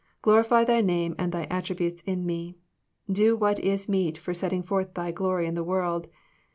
Glorify Thy name and Thy attributes in Me. Do what is meet for setting forth Thy glory in the world.